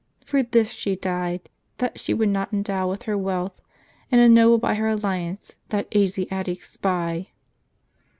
For this she died, that she would not endow^ with her wealth, and ennoble by her alliance, that Asiatic spy."